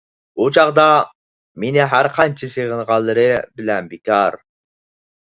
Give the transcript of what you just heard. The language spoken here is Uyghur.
ئۇ چاغدا مېنى ھەرقانچە سېغىنغانلىرى بىلەن بىكار.